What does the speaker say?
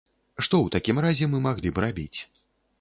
Што ў такім разе мы маглі б рабіць?